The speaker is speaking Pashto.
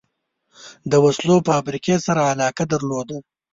د وسلو فابریکې سره علاقه درلوده.